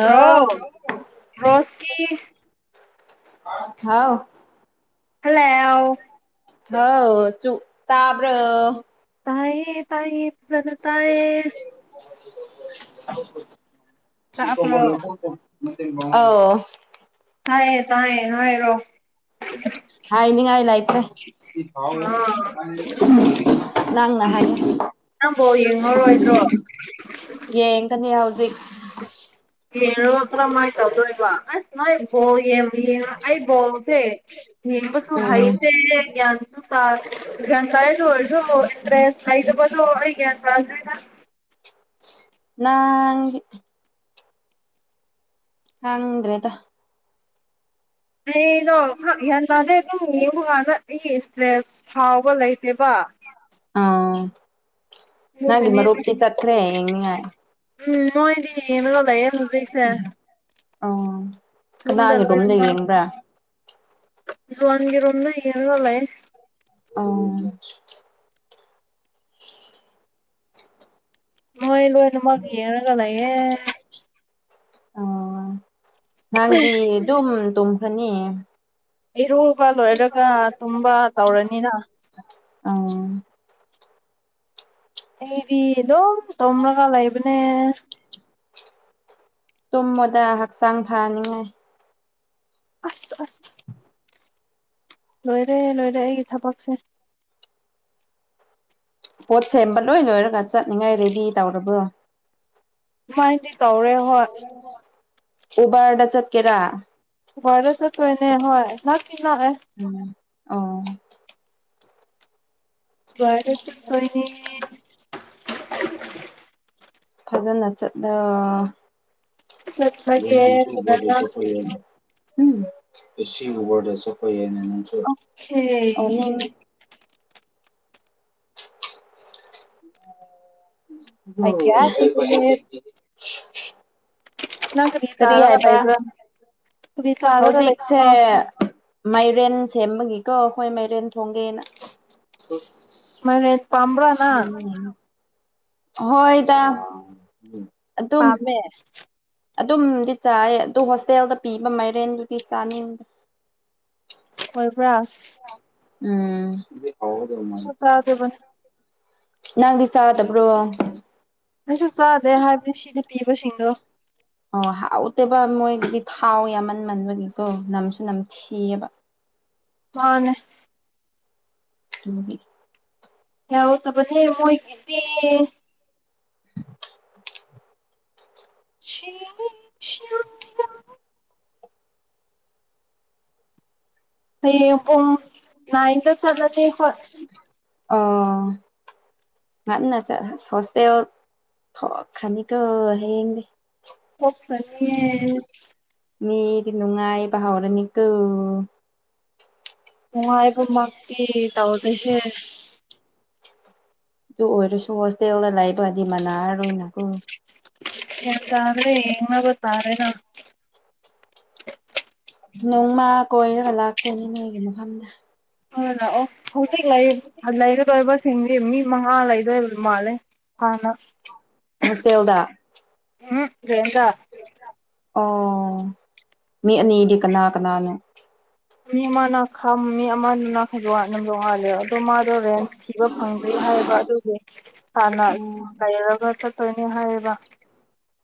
bro ꯕ꯭ꯔꯣꯁꯀꯤ ꯍꯥꯎ ꯍꯜꯂꯥꯎ ꯂꯣ ꯆꯨ ꯇꯥꯕ꯭ꯔꯣ ꯇꯥꯏꯌꯦ ꯇꯥꯏꯌꯦ ꯐꯖꯅ ꯇꯥꯏꯌꯦ ꯇꯥꯕ꯭ꯔꯣ [inaudible] [inaudible] ꯑꯥꯎ ꯇꯥꯏꯌꯦ ꯇꯥꯏꯌꯦ ꯍꯥꯏꯔꯣ ꯍꯥꯏꯅꯤꯉꯥꯏ ꯂꯩ ꯑꯦ ꯑꯥ [inaudible] ꯅꯪꯅ ꯍꯥꯏ ꯅꯪ ꯕꯣꯜ ꯌꯦꯡꯉꯔꯣꯏꯗ꯭ꯔꯣ ꯌꯦꯡꯒꯅꯤ ꯍꯩꯖꯤꯛ [inaudible] ꯌꯦꯡꯉꯣ ꯀꯔꯝꯃꯥꯏ ꯇꯧꯗꯣꯏꯕ ꯑꯁ ꯃꯥꯏ ꯕꯣꯜ ꯌꯦ ꯌꯦꯡꯉ ꯑꯩ ꯕꯣꯜꯁꯦ ꯌꯦꯡꯕꯁꯨ ꯎꯝ ꯍꯩꯇꯦ ꯒ꯭ꯌꯥꯟꯁꯨ ꯇꯥ ꯒ꯭ꯌꯥꯟ ꯇꯔꯁꯨ ꯑꯣꯏꯁꯨ ꯃꯨꯛ ꯏꯟꯇ꯭ꯔꯦꯁ ꯂꯩꯇꯕꯗꯨ ꯑꯩ ꯒꯌꯥꯟ ꯇꯥꯗ꯭ꯔꯦꯗ ꯅꯪ ꯈꯪꯗ꯭ꯔꯦꯗ ꯀꯩꯅꯣ ꯍ ꯒ꯭ꯌꯥꯟ ꯇꯥꯗꯦ ꯑꯗꯨꯝ ꯌꯦꯡꯕꯀꯥꯟꯗ ꯑꯩꯒꯤ [inaudible] ꯐꯥꯎꯕ ꯂꯩꯇꯦꯕ ꯑꯥ ꯅꯪꯒꯤ ꯑꯗꯨꯒꯤꯅꯦꯗ ꯃꯔꯨꯞꯇꯤ ꯆꯠꯈ꯭ꯔꯦ ꯌꯦꯡꯅꯤꯉꯥꯏ ꯎꯝ ꯃꯣꯏꯗꯤ ꯌꯦꯡꯂꯒ ꯂꯩꯌꯦ ꯍꯧꯖꯤꯛꯁꯦ ꯑꯣ ꯀꯅꯥꯒꯤ ꯔꯨꯝꯗ ꯌꯦꯡꯕ꯭ꯔꯥ ꯖꯋꯥꯟꯒꯤꯔꯨꯝꯗ ꯌꯦꯡꯉꯒ ꯂꯩ ꯑꯥ ꯃꯣꯏ ꯂꯣꯏꯅꯃꯛ ꯌꯦꯡꯉꯒ ꯂꯩꯌꯦ ꯑꯥ ꯅꯪꯗꯤ ꯑꯗꯨꯝ ꯇꯨꯝꯈꯔꯅꯤ ꯏꯔꯨꯕ ꯂꯣꯏꯔꯒ ꯇꯨꯝꯕ ꯇꯧꯔꯅꯤꯅ ꯑꯥ ꯑꯩꯗꯤꯗꯨꯝ ꯇꯨꯝꯔꯒ ꯂꯩꯕꯅꯦ ꯇꯨꯝꯃꯣꯗ ꯍꯛꯆꯥꯡ ꯐꯅꯤꯡꯉꯥꯏ ꯑꯁ ꯑꯁ ꯂꯣꯏꯔꯦ ꯂꯣꯏꯔꯦ ꯑꯩꯒꯤ ꯊꯕꯛꯁꯦ ꯄꯣꯠ ꯁꯦꯝꯕ ꯂꯣꯏ ꯂꯣꯏꯔꯒ ꯆꯠꯅꯤꯉꯥꯏ ꯔꯦꯗꯤ ꯇꯧꯔꯕ꯭ꯔꯣ ꯗꯨꯃꯥꯏꯅꯗꯤ ꯇꯧꯔꯦ ꯍꯣꯏ ꯎꯕꯔꯗ ꯆꯠꯀꯦꯔ ꯋꯥꯏꯔ ꯆꯠꯇꯣꯏꯅꯦ ꯍꯣꯏ ꯅꯛꯇꯤ ꯅꯛꯑꯦ ꯎꯝ ꯑꯣ ꯎꯕꯔꯗ ꯆꯠꯇꯣꯏꯅꯦ ꯐꯖꯅ ꯆꯠꯂꯣ [unintelligible] ꯆꯠꯂꯒꯦ ꯎꯝ ꯐꯖꯅ ꯁꯤ ꯎꯕꯔꯗ [inaudible] ꯅꯪꯁꯨ ꯑꯣꯀꯦ ꯑꯥꯏ ꯒꯦꯠ ꯏꯠ ꯅꯪ [unintelligible] ꯀꯔꯤ ꯆꯥꯔꯒ ꯍꯥꯏꯕ ꯂꯩꯕ꯭ꯔꯥ ꯀꯔꯤ ꯆꯥꯔꯒ ꯍꯧꯖꯤꯛꯁꯦ ꯂꯩꯕꯅꯣ ꯃꯥꯏꯔꯦꯟ ꯁꯦꯝꯕꯒꯤ ꯀꯣ ꯍꯣꯏ ꯃꯥꯏꯔꯦꯟ ꯊꯣꯡꯒꯦꯅ ꯃꯥꯏꯔꯦꯟ ꯄꯥꯝꯕ꯭ꯔꯥ ꯅꯪ ꯍꯣꯏ ꯇꯥ ꯄꯥꯝꯃꯦ ꯑꯗꯨꯝꯗꯤ ꯆꯥꯏ ꯑꯗꯨ ꯍꯣꯁꯇꯦꯜꯗ ꯄꯤꯕ ꯃꯥꯏꯔꯦꯟꯗꯨꯗꯤ ꯆꯥꯅꯤꯡꯗꯦ ꯑꯣꯏꯕ꯭ꯔꯥ ꯎꯝ ꯍꯥꯎꯒꯗꯧ ꯃꯥꯜꯂꯦ [unintelligible] ꯅꯪꯗꯤ ꯆꯥꯗꯕ꯭ꯔꯣ ꯑꯩꯁꯨ ꯆꯥꯗꯦ ꯍꯥꯏꯕꯗꯤ ꯁꯤꯗ ꯄꯤꯕꯁꯤꯡꯗꯣ ꯑꯣ ꯍꯥꯎꯇꯦꯕ ꯃꯣꯏꯒꯤꯗꯤ ꯊꯥꯎ ꯌꯥꯝꯃꯟꯃꯟꯕꯒꯤꯀꯣ ꯅꯝꯁꯨ ꯅꯝ ꯊꯤꯌꯦꯕ ꯃꯥꯅꯦ [unintelligible] ꯌꯥꯎ ꯇꯕꯅꯦ ꯃꯣꯏꯒꯤꯗꯤ ꯁꯤꯅꯤ [unintelligible] ꯍꯌꯦꯡ ꯄꯨꯝ ꯅꯥꯏꯟꯗ ꯆꯠꯂꯅꯤ ꯈꯣꯏ ꯑꯥ ꯉꯟꯅ ꯆꯠ ꯍꯁ ꯍꯣꯁꯇꯦꯜ ꯊꯣꯛꯈ꯭ꯔꯅꯤꯀꯣ ꯍꯌꯦꯡꯗꯤ ꯆꯠꯈ꯭ꯔꯥꯅꯤꯌꯦ ꯃꯤꯗꯤ ꯅꯨꯡꯉꯥꯏꯕ ꯍꯥꯎꯔꯅꯤꯀꯣ ꯅꯨꯡꯉꯥꯏꯕ ꯃꯥꯛꯀꯤ ꯇꯧꯗꯦ ꯍꯦ ꯑꯗꯨ ꯑꯣꯏꯔꯁꯨ ꯍꯣꯁꯇꯦꯜꯗ ꯂꯩꯕꯗꯤ ꯃꯅꯥꯔꯔꯣꯏꯅꯀꯣ ꯑꯦ ꯇꯥꯔꯔꯦ ꯌꯦꯉꯕ ꯇꯥꯔꯦꯅ ꯅꯣꯡꯃ ꯀꯣꯏꯔꯒ ꯂꯥꯛꯇꯣꯏꯅꯤ ꯅꯣꯏꯒꯤ ꯃꯐꯝꯗ ꯑꯥ ꯂꯥꯛꯑꯣ ꯍꯧꯖꯤꯛ ꯂꯩ ꯂꯩꯒꯗꯣꯔꯤꯕ [unintelligible] ꯃꯤ ꯃꯉꯥ ꯂꯩꯗꯣꯏ ꯃꯥꯂꯦ ꯍꯥꯟꯅ ꯍꯣꯁꯇꯦꯜꯗ ꯎꯝ ꯔꯦꯟꯗꯥ ꯑꯣ ꯃꯤ ꯑꯅꯤꯗꯤ ꯀꯅꯥ ꯀꯅꯥꯅꯣ ꯃꯤ ꯑꯃꯅ ꯈꯝ ꯃꯤ ꯑꯃꯗꯨ [unintelligible] ꯑꯗꯣ ꯃꯥꯗꯣ ꯔꯦꯟ ꯊꯤꯕ ꯐꯪꯗ꯭ꯔꯦ ꯍꯥꯏꯕ ꯑꯗꯨꯒꯤ ꯍꯥꯟꯅ ꯂꯩꯔꯒ ꯆꯠꯇꯣꯏꯅꯦ ꯍꯥꯏꯌꯦꯕ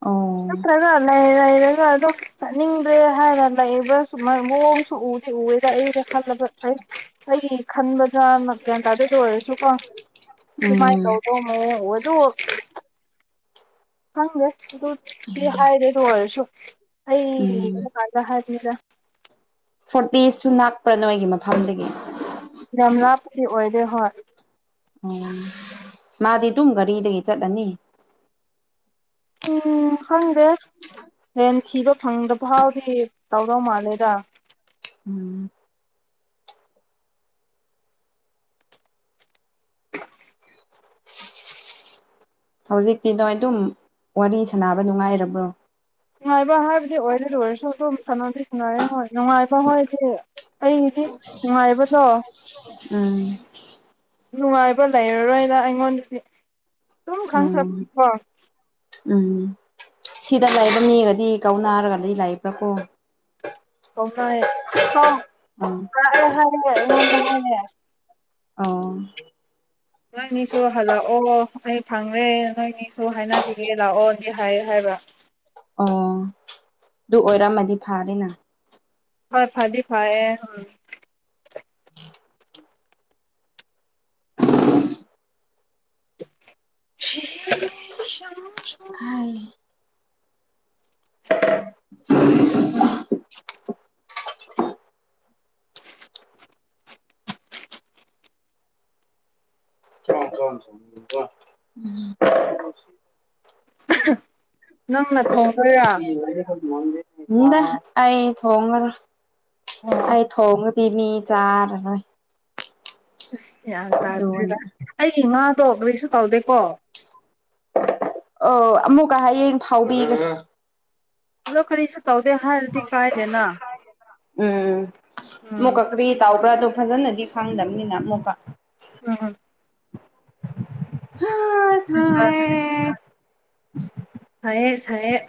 ꯑꯣ ꯅꯠꯇ꯭ꯔꯒ ꯂꯩ ꯂꯩꯔꯒ ꯑꯗꯨꯝ ꯆꯠꯅꯤꯡꯗ꯭ꯔꯦ ꯍꯥꯏꯔ ꯂꯩꯕ ꯁꯨ ꯃꯑꯣꯡꯁꯨ ꯎꯗꯤ ꯎꯔꯦꯗ ꯑꯩꯩꯅ ꯈꯜꯂꯕ ꯑꯩꯒꯤ ꯈꯟꯕꯗꯣ [unintelligible] ꯒ꯭ꯌꯥꯟꯇꯥꯗꯦ ꯗꯣꯑꯣꯏꯔꯁꯨ ꯀꯣ ꯀꯃꯥꯏ ꯎꯝ ꯀꯧꯗꯣ ꯃꯣ ꯑꯗꯨ ꯈꯪꯗꯦ ꯑꯗꯨꯗꯤ ꯍꯥꯏꯗꯦ ꯑꯗꯨ ꯑꯣꯏꯔꯁꯨ ꯑꯩ ꯎꯝ ꯌꯦꯡꯕ [unintelligible] ꯐꯣꯔꯇꯤꯁꯨ ꯅꯥꯛꯄ꯭ꯔꯥ ꯅꯣꯏꯒꯤ ꯃꯐꯝꯗꯒꯤ ꯌꯥꯝ ꯂꯥꯞꯄꯗꯤ ꯑꯣꯏꯗꯦ ꯍꯣꯏ ꯑꯣ ꯃꯥꯗꯤ ꯑꯗꯨꯝ ꯒꯥꯔꯤꯗꯒꯤ ꯆꯠꯂꯅꯤ ꯎꯝ ꯈꯪꯗꯦ ꯔꯦꯟ ꯊꯤꯕ ꯐꯪꯗ ꯐꯥꯎꯗꯤ ꯇꯧꯗꯧ ꯃꯥꯜꯂꯦꯗ ꯎꯝ ꯍꯧꯖꯤꯛꯇꯤ ꯅꯣꯏ ꯑꯗꯨꯝ ꯋꯥꯔꯤ ꯁꯥꯅꯕ ꯅꯨꯡꯉꯥꯏꯔꯕ꯭ꯔꯣ ꯅꯨꯡꯉꯥꯏꯕ ꯍꯥꯏꯕꯗꯤ ꯑꯣꯏꯔꯔꯣꯏꯁꯨ ꯑꯗꯨꯝ ꯁꯥꯟꯅꯗꯤ ꯅꯨꯡꯉꯥꯏꯔꯦ ꯍꯣꯏ ꯅꯨꯡꯉꯥꯏꯕ ꯍꯣꯏꯗꯤ ꯑꯩꯗꯤ ꯅꯨꯡꯉꯥꯏꯕꯗꯣ ꯎꯝ ꯅꯨꯡꯉꯥꯏꯕ ꯂꯩꯔꯔꯣꯏꯗ ꯑꯩꯉꯣꯟꯗꯗꯤ ꯑꯗꯨꯨꯝ ꯎꯝ ꯈꯪꯈ꯭ꯔꯕꯀꯣ ꯎꯝ ꯁꯤꯗ ꯂꯩꯕ ꯃꯤꯒꯗꯤ ꯀꯧꯅꯥꯔꯒꯗꯤ ꯂꯩꯕ꯭ꯔꯥ ꯀꯣ ꯑꯣꯃꯥꯏ ꯍꯥꯎ ꯎꯝ ꯂꯥꯛꯑꯦ ꯍꯥꯏꯌꯦ ꯑꯩꯉꯣꯟꯗ ꯍꯥꯏꯌꯦ ꯑꯣ ꯅꯣꯏꯅꯤꯁꯨ ꯍꯜꯂꯛꯑꯣ ꯑꯩ ꯐꯪꯉꯦ ꯅꯣꯏꯅꯤꯁꯨ ꯍꯥꯏꯅꯕꯤꯒꯦ ꯂꯥꯛꯑꯣꯗꯤ ꯍꯥꯏ ꯍꯥꯏ [unintelligible] ꯑꯣ ꯑꯗꯨ ꯑꯣꯏꯔꯝꯃꯗꯤ ꯐꯥꯔꯦꯅ ꯍꯣꯏ ꯐꯗꯤ ꯐꯥꯏꯌꯦ ꯍꯝ ꯁꯦ ꯁꯝ ꯁꯝ ꯍꯥꯏ [unintelligible] ꯅꯪꯅ ꯊꯣꯡꯗꯣꯏꯔꯥ ꯉꯗꯦ ꯑꯩ ꯊꯣꯡꯉꯔꯣꯏ ꯑꯣ ꯑꯩ ꯊꯣꯡꯉ ꯇꯤꯃꯤ ꯆꯔꯔꯣꯏ ꯑꯁ ꯌꯥꯟ ꯇꯥꯗꯦꯗ ꯑꯩꯒꯤ ꯉꯥꯗꯣ ꯀꯔꯤꯁꯨ ꯇꯧꯗꯦꯀꯣ ꯑꯣ ꯑꯃꯨꯛꯀ ꯍꯌꯦꯡ ꯐꯥꯎꯕꯤꯒꯦ ꯔ [unintelligible] ꯎꯝ ꯃꯨ ꯎꯝ ꯀ ꯀ꯭ꯔꯤ ꯇꯥꯎ ꯄ꯭ꯔꯠꯇꯣ ꯐꯖꯅꯗꯤ ꯐꯪꯗꯕꯅꯤꯅ ꯑꯃꯨꯛꯀ ꯑ [unintelligible] ꯑ [inaudible] ꯎꯝ [inaudible] ꯁꯥꯏꯌꯦ ꯁꯥꯏꯌꯦ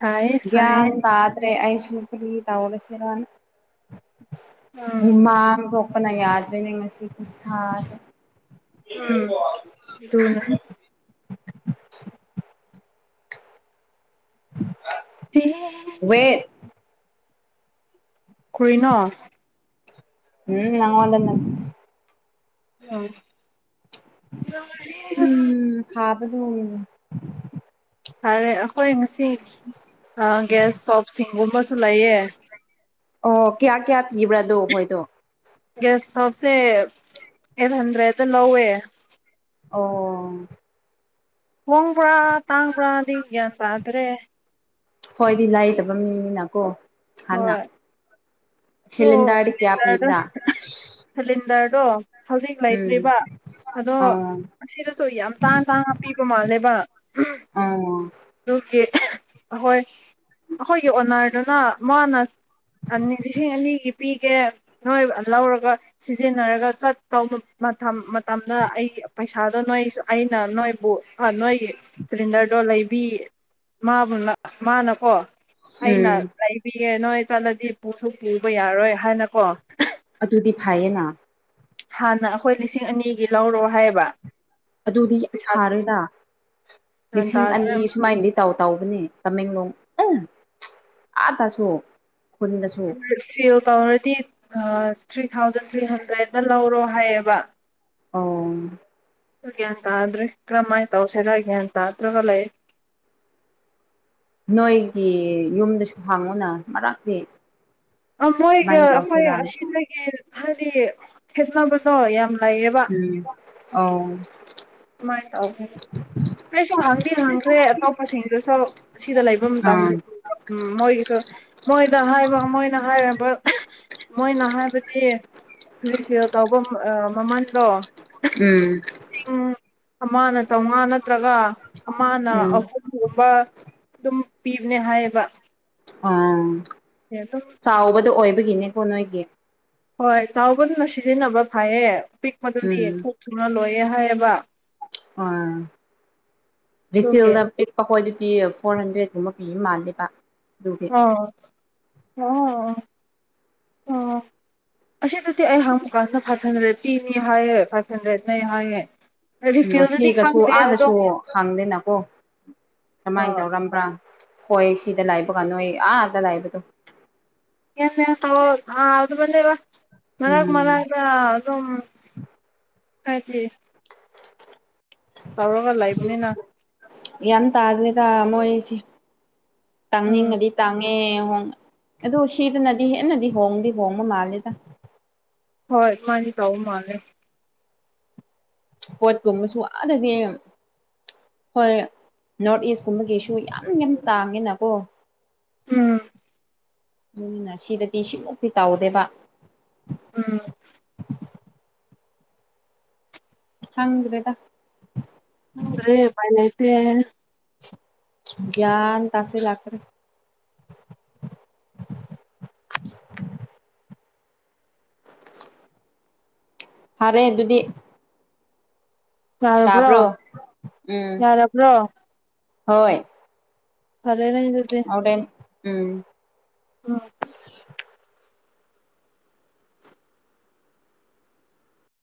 ꯁꯥꯏꯌꯦ ꯁꯥꯏꯌꯦ ꯒ꯭ꯌꯥꯟ ꯇꯥꯗ꯭ꯔꯦ ꯑꯩꯁꯨꯨ ꯀꯔꯤ ꯇꯧꯔꯁꯦꯔ ꯎꯝ ꯍꯨꯃꯥꯡ ꯊꯣꯛꯄꯅ ꯌꯥꯗ꯭ꯔꯦꯅꯦ ꯉꯁꯤ ꯈꯨꯁꯥꯁꯦ [inaudible] ꯎꯝ ꯑꯗꯨꯅ ꯎ [inaudible] [unintelligible] ꯀ꯭ꯔꯤꯅꯣ ꯎꯝ ꯅꯉꯣꯟꯗ ꯅꯠ [inaudible] ꯁꯥꯕꯗꯨ ꯐꯔꯦ ꯑꯩꯈꯣꯏ ꯉꯁꯤ ꯒ꯭ꯌꯥꯁ ꯁ꯭ꯇꯣꯞ ꯁꯤꯡꯒꯨꯝꯕꯁꯨ ꯂꯩꯌꯦ ꯑꯣ ꯀꯌꯥ ꯀꯌꯥ ꯄꯤꯕ꯭ꯔ ꯗꯣ ꯈꯣꯏꯗꯣ ꯒ꯭ꯌꯥꯁ ꯁ꯭ꯇꯞꯁꯦ ꯑꯩꯠ ꯍꯟꯗ꯭ꯔꯦꯠꯇ ꯂꯧꯋꯦ ꯑꯣ ꯍꯣꯡꯕ꯭ꯔ ꯇꯥꯡꯕ꯭ꯔꯗꯤ ꯒ꯭ꯌꯥꯟ ꯇꯥꯗ꯭ꯔꯦ ꯍꯣꯏꯗꯤ ꯂꯩꯗꯕ ꯃꯤꯅꯤꯅꯀꯣ ꯍꯣꯏ ꯍꯥꯟꯅ ꯑꯗꯣ ꯁꯤꯂꯤꯟꯗꯔꯗꯤ ꯀꯌꯥ ꯁꯤꯂꯤꯟꯗꯔꯗ ꯄꯤꯕ꯭ꯔꯥ [inaudible] ꯗꯔꯗꯣ ꯍꯧꯖꯤꯛ ꯎꯝ ꯂꯩꯇ꯭ꯔꯤꯕ ꯑꯗꯣ ꯑꯣ ꯑꯁꯤꯗꯁꯨ ꯌꯥꯝ ꯇꯥꯡ ꯇꯥꯡꯅ ꯄꯤꯕ ꯃꯥꯜꯂꯦꯕ ꯑꯣ ꯑꯍꯣꯏ ꯑꯩꯈꯣꯏꯒꯤ ꯑꯣꯅꯔꯗꯨꯅ ꯃꯥꯅ ꯑꯅꯤ ꯂꯤꯁꯤꯡ ꯑꯅꯤꯒꯤ ꯄꯤꯒꯦ ꯅꯣꯏ ꯂꯧꯔꯒ ꯁꯤꯖꯤꯟꯅꯔꯒ ꯆꯠꯇꯧꯕ ꯃꯇꯝ ꯇꯝꯗ ꯑꯩ ꯄꯩꯁꯥꯗꯣ ꯅꯣꯏ ꯑꯩꯅ ꯅꯣꯏꯕꯨ ꯅꯣꯏꯒꯤ ꯁꯤꯂꯤꯟꯗꯔꯗꯣ ꯂꯩꯕꯤ ꯃꯥꯕꯨ ꯃꯥꯅꯀꯣ ꯑꯩꯅ ꯎꯝ ꯂꯩꯕꯤꯌꯦ ꯅꯣꯏ ꯆꯠꯂꯗꯤ ꯄꯨꯁꯨ ꯄꯨꯕ ꯌꯥꯔꯣꯏ ꯍꯥꯏꯅꯀꯣ ꯑꯗꯨꯗꯤ ꯐꯩꯌꯦꯅ ꯍꯥꯟꯅ ꯑꯩꯈꯣꯏ ꯂꯤꯁꯤꯡ ꯑꯅꯤꯒꯤ ꯂꯧꯔꯣ ꯍꯥꯏꯌꯦꯕ ꯑꯗꯨꯗꯤ ꯌꯥꯝ ꯐꯥꯔꯦꯅ ꯒ꯭ꯌꯥꯟ ꯂꯤꯁꯤꯡ ꯇꯥꯗ꯭ꯔꯦ ꯑꯅꯤ ꯁꯨꯃꯥꯏꯅ ꯇꯧ ꯇꯧꯕꯅꯦ ꯇꯃꯦꯡꯂꯣꯡ ꯑ ꯑꯥ ꯇꯥꯁꯨ [unintelligible] ꯇꯧꯔꯗꯤ ꯊ꯭ꯔꯤ ꯊꯥꯎꯖꯟ ꯊ꯭ꯔꯤ ꯍꯟꯗ꯭ꯔꯦꯠꯇ ꯂꯧꯔꯣ ꯍꯥꯏꯌꯦꯕ ꯑꯣ ꯒ꯭ꯌꯥꯟ ꯇꯥꯗ꯭ꯔꯦ ꯀ꯭ꯔꯝꯃꯥꯏ ꯇꯧꯁꯦꯔꯥ ꯑꯩ ꯒ꯭ꯌꯥꯟ ꯇꯗ꯭ꯔꯒ ꯂꯩ ꯅꯣꯏꯒꯤ ꯌꯨꯝꯗꯁꯨ ꯍꯪꯉꯣꯅ ꯃꯔꯛꯇꯤ ꯃꯣꯏꯒ ꯀꯃꯥꯏꯅ ꯑꯩꯈꯣꯏ ꯇꯧꯁꯤꯔꯥꯅ ꯑꯁꯤꯗꯒꯤ ꯍꯥꯏꯗꯤ ꯈꯦꯠꯅꯕꯗꯣ ꯌꯥꯝ ꯂꯩꯌꯦꯕ ꯎꯝ ꯑꯧ ꯃꯥꯏ ꯇꯥꯎꯒꯤꯒꯦ ꯀꯩꯁꯨ ꯍꯪꯗꯤ ꯍꯪꯈ꯭ꯔꯦ ꯑꯇꯣꯞꯄꯁꯤꯡꯗꯨꯁꯨ ꯁꯤꯗ ꯂꯩꯕ ꯑꯥ ꯃꯇꯝꯗ ꯎꯝ ꯃꯣꯏꯒꯤꯁꯨ ꯃꯣꯏꯗ ꯍꯥꯏꯕ ꯃꯣꯏꯅ ꯍꯥꯏꯔꯝꯕ ꯃꯣꯏꯅ ꯍꯥꯏꯕꯗꯤ ꯔꯤꯐꯤꯜ ꯇꯧꯕ ꯑ ꯃꯃꯟꯗꯣ ꯎꯝ ꯎꯝ ꯑꯃꯅ ꯆꯥꯝꯃꯉꯥ ꯅꯠꯇ꯭ꯔꯒ ꯑꯃꯅ ꯎꯝ ꯑꯍꯨꯝꯒꯨꯝꯕ ꯑꯗꯨꯝ ꯄꯤꯕꯅꯦ ꯍꯥꯏꯌꯦꯕ ꯑꯥ ꯑꯗꯨꯝ ꯆꯥꯎꯕꯗꯣ ꯑꯣꯏꯕꯒꯤꯅꯦꯀꯣ ꯅꯣꯏꯒꯤ ꯍꯣꯏ ꯆꯥꯎꯕꯗꯨꯅ ꯁꯤꯖꯤꯟꯅꯕ ꯐꯌꯦ ꯄꯤꯛꯄꯗꯨꯗꯤ ꯎꯝ ꯊꯣꯛ ꯊꯨꯅ ꯂꯣꯏꯌꯦ ꯍꯥꯏꯌꯦꯕ ꯑ ꯑꯗꯨꯒꯤ ꯀꯩꯊꯦꯜꯗ ꯄꯤꯛꯄ ꯍꯣꯏꯗꯤ ꯄꯤꯑꯦ ꯐꯣꯔ ꯍꯟꯗ꯭ꯔꯦꯠꯒꯨꯝꯕ ꯄꯤꯕ ꯃꯥꯟꯂꯦꯕ ꯑ ꯑꯥ [inaudible] ꯑꯁꯤꯗꯗꯤ ꯑꯩ ꯍꯪꯕꯀꯥꯟꯗ ꯐꯥꯏꯚ ꯍꯟꯗ꯭ꯔꯦꯠ ꯄꯤꯅꯤ ꯍꯥꯏꯌꯦ ꯐꯥꯏꯚ ꯍꯟꯗ꯭ꯔꯦꯠ ꯂꯩ ꯍꯥꯏꯌꯦ ꯎꯝ ꯔꯤꯐꯤꯜꯗꯨꯗꯤ ꯁꯤꯒꯁꯨ ꯈꯪꯗꯦ ꯑꯗꯣ ꯑꯥꯗꯁꯨ ꯍꯪꯗꯦꯅꯀꯣ ꯑ ꯀꯃꯥꯏꯅ ꯇꯧꯔꯝꯕ꯭ꯔ ꯍꯣꯏ ꯁꯤꯗ ꯂꯥꯏꯕ ꯀ ꯅꯣꯏ ꯑꯥꯗ ꯂꯥꯏꯕꯗꯣ ꯌꯥꯝ ꯌꯥꯝ ꯇꯧꯑꯣ ꯑꯥ ꯑꯗꯨ ꯃꯜ ꯂꯩꯕ ꯃꯔꯛ ꯎꯝ ꯃꯔꯛꯇ ꯑꯗꯨꯝ ꯍꯥꯏꯗꯤ [inaudible] ꯇꯧꯔꯒ ꯂꯩꯕꯅꯤꯅ ꯒ꯭ꯌꯥꯟ ꯇꯥꯗ꯭ꯔꯦꯗ ꯃꯣꯏꯁꯤ ꯎꯝ ꯇꯥꯡꯅꯤꯡꯉꯗꯤ ꯇꯥꯡ ꯑꯦ ꯍꯣꯡ ꯑꯗꯨ ꯁꯤꯗꯅꯗꯤ ꯍꯦꯟꯅꯗꯤ ꯍꯣꯡꯗꯤ ꯍꯣꯡꯕ ꯃꯥꯜꯂꯦꯗ ꯍꯣꯏ ꯃꯥꯟꯅꯤ ꯇꯧ ꯃꯥꯜꯂꯦ ꯄꯣꯠꯀꯨꯝꯕꯁꯨ ꯑꯥꯗꯗꯤ ꯍꯣꯏ ꯅꯣꯔꯠ ꯏꯁꯀꯨꯝꯕꯒꯤꯁꯨ ꯌꯥꯝ ꯌꯥꯝ ꯇꯥꯡꯉꯦꯅꯀꯣ ꯎꯝ ꯅꯣꯏꯅ ꯁꯤꯗꯗꯤ ꯁꯤꯃꯨꯛꯇꯤ ꯇꯥꯎꯗꯦꯕ ꯎꯝ ꯈꯪꯗ꯭ꯔꯦꯗ ꯄꯦꯔꯦ ꯒꯌꯥ꯭ꯟ ꯇꯥꯁꯤꯜꯂꯛꯇ꯭ꯔꯦ [inaudible] ꯐꯥꯔꯦ ꯑꯗꯨꯗꯤ ꯌꯥꯔꯕ꯭ꯔꯣ ꯇꯥꯕ꯭ꯔꯣ ꯎꯝ ꯌꯥꯔꯕ꯭ꯔꯣ ꯍꯣꯏ ꯐꯔꯦꯅꯦ ꯗꯨꯗꯤ ꯍꯣꯔꯦꯟ ꯎꯝ ꯎꯝ